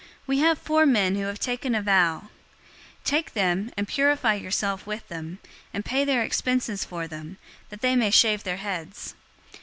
We have four men who have taken a vow. 021:024 Take them, and purify yourself with them, and pay their expenses for them, that they may shave their heads.